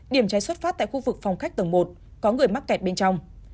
điểm cháy xuất phát tại khu vực phòng khách tầng một có người mắc kẹt bên trong